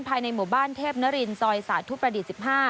ภายในหมู่บ้านเทพนรินซอยสาธุประดิษฐ์๑๕